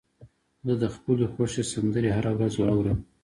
زه د خپلو خوښې سندرې هره ورځ اورم.